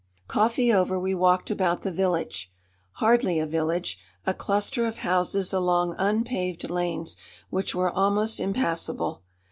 Coffee over, we walked about the village. Hardly a village a cluster of houses along unpaved lanes which were almost impassable.